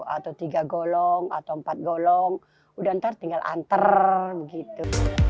atau tiga golong atau empat golong udah ntar tinggal anter begitu